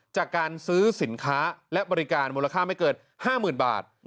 จากการซื้อสินค้าและบริการมูลค่าไม่เกิน๕๐๐๐บาท